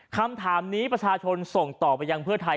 คำถามนี้ประชาชนส่งต่อไปยังเพื่อไทย